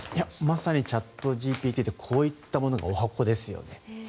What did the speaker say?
まさにチャットＧＰＴってこういったものがおはこですね。